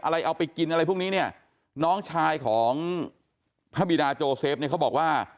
เอาไปกินอะไรพวกนี้เนี่ยน้องชายของพระบิดาโจเซฟเนี่ยเขาบอกว่า